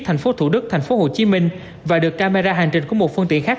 thành phố thủ đức thành phố hồ chí minh và được camera hành trình của một phương tiện khác